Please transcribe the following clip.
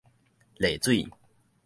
麗水